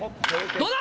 どうだ？